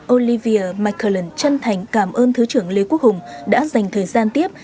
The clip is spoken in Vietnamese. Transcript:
olivia mckellan chân thành cảm ơn thứ trưởng lê quốc hùng đã dành thời gian tiếp